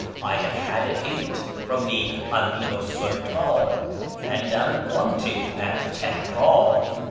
I have had a hint from the Amhvu ^s Sultdn, and am wanted at Teheran.